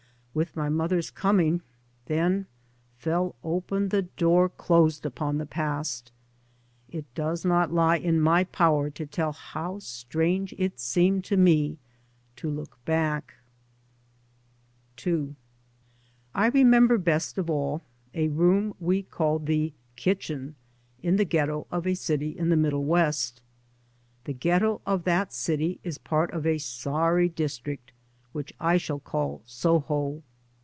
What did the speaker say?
With my mother's coming then fell open the door closed upon the past. It does not lie in my power to tell how strange it seemed to me to look back. D.D.t.zea by Google ■ 11 1 REMEMBER best of all a room we called the " kitchen " in the ghetto of a city in the middle west. The ghetto of that city is part of a sorry district which I shall call " Soho."